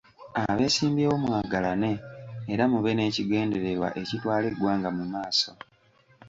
Abeesimbyewo mwagalane era mube n'ekigendererwa ekitwala eggwanga mu maaso.